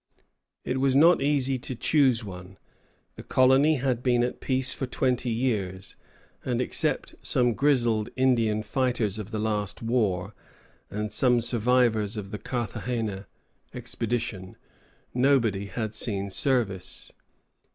It was not easy to choose one. The colony had been at peace for twenty years, and except some grizzled Indian fighters of the last war, and some survivors of the Carthagena expedition, nobody had seen service.